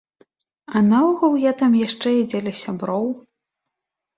А наогул я там яшчэ і дзеля сяброў.